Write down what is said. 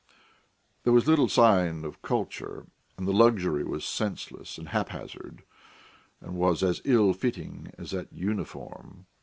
There was little sign of culture, and the luxury was senseless and haphazard, and was as ill fitting as that uniform.